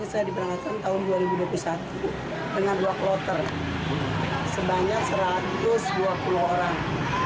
saya diberangkatkan tahun dua ribu dua puluh satu dengan dua kloter sebanyak satu ratus dua puluh orang